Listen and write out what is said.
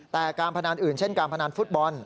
แต่การพนันอื่นเช่นการพนันฟุตบอล